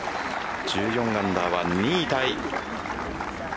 １４アンダーは２位タイ。